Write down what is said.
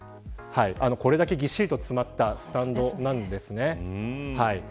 これだけぎっしりと詰まったスタンドなんですね。